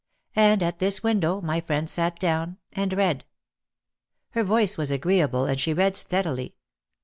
And at this window my friend sat down and read. Her voice was agreeable and she read steadily.